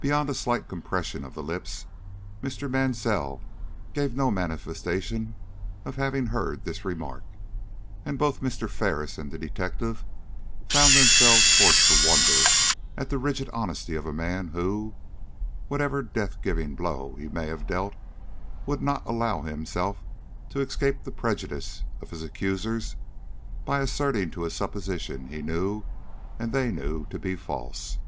Beyond a slight compression of the lips, Mr. Mansell gave no manifestation of having heard this remark, and both Mr. Ferris and the detective found themselves forced to wonder at the rigid honesty of a man who, whatever death giving blow he may have dealt, would not allow himself to escape the prejudice of his accusers by assenting to a supposition he and they knew to be false.